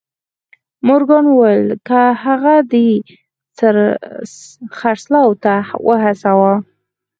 مورګان وويل که هغه دې خرڅلاو ته وهڅاوه.